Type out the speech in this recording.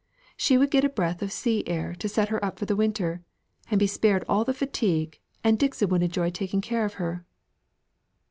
She would get a breath of sea air to set her up for the winter, and be spared all the fatigue, and Dixon would enjoy taking care of her."